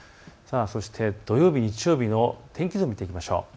そして土曜日、日曜日の天気図を見ていきましょう。